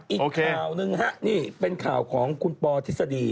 อีกข่าวหนึ่งเป็นข่าวของคุณปอธิษฎี